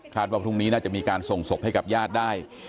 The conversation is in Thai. ว่าพรุ่งนี้น่าจะมีการส่งศพให้กับญาติได้